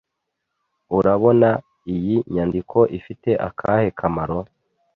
Urabona iyi nyandiko ifite akahe kamaro?